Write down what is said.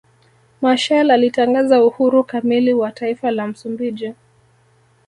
Machel alitangaza uhuru kamili wa taifa la Msumbiji